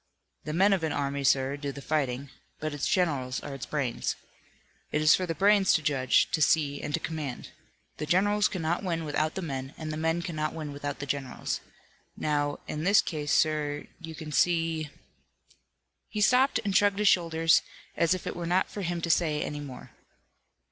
"The men of an army, sir, do the fighting, but its generals are its brains. It is for the brains to judge, to see and to command. The generals cannot win without the men, and the men cannot win without the generals. Now, in this case, sir, you can see " He stopped and shrugged his shoulders, as if it were not for him to say any more.